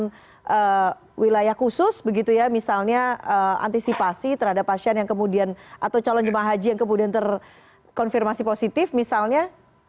ada wilayah khusus begitu ya misalnya antisipasi terhadap pasien yang kemudian atau calon jemaah haji yang kemudian terkonfirmasi positif misalnya